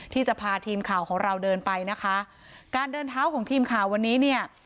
ที่จะพาทีมข่าวของเราเดินไปนะคะการเดินเท้าของทีมข่าววันนี้เนี่ย